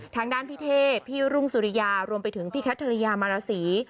ทางด้านพี่เท่พี่รุ่งสุริยารวมไปถึงพี่แคทริยามารสี